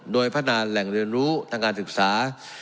โดยพัฒนาแหล่งเรียนรู้ทางการศึกษา